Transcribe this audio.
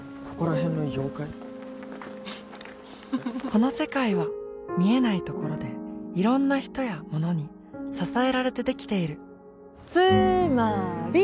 この世界は見えないところでいろんな人やものに支えられてできているつーまーり！